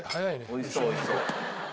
おいしそうおいしそう。